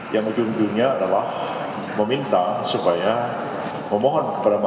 yang kejujurnya adalah meminta supaya memohon kepada mahkamah